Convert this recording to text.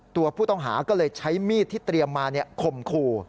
ตัวผู้ต้องหาก็เลยใช้มีดที่เตรียมมาข่มขู่